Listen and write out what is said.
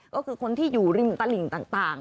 ก็คือคนที่อยู่ริมตลิ่งต่าง